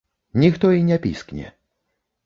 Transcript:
Ніхто і не піскне.